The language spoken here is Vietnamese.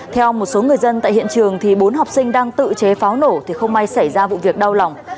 theo một số người dân tại hiện trường bốn học sinh đang tự chế pháo nổ thì không may xảy ra vụ việc đau lòng